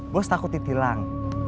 bos takut ditilang